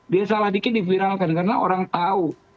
dia salah dikit diviralkan karena orang tahu